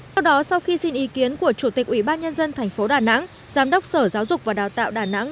theo đó sau khi xin ý kiến của chủ tịch ủy ban nhân dân thành phố đà nẵng giám đốc sở giáo dục và đào tạo đà nẵng